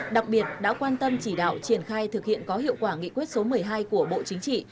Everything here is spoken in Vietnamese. đặc biệt đã quan tâm chỉ đạo triển khai thực hiện có hiệu quả nghị quyết số một mươi hai của bộ chính trị